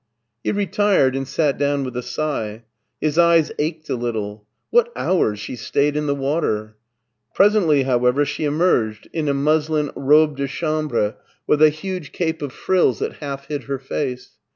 He retired and sat down with a sigh. His eyes ached a little. What hours she stasred in the water! Presently, however, she emerged in a muslin robe dc 2i6 MARTIN SCHllLER chambre, with a huge cape of frills that half hid her .face.